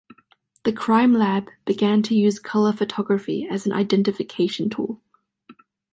The Crime Lab began to use color photography as an identification tool.